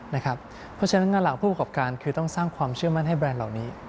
เพราะฉะนั้นงานหลักผู้ประกอบการคือต้องสร้างความเชื่อมั่นให้แบรนด์เหล่านี้